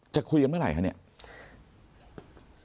จะคุยกันเมื่อไหร่คะเนี่ย